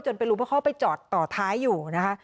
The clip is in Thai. ไปรู้ว่าเขาไปจอดต่อท้ายอยู่นะคะ